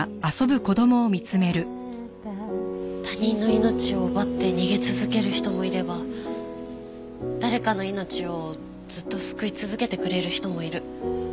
他人の命を奪って逃げ続ける人もいれば誰かの命をずっと救い続けてくれる人もいる。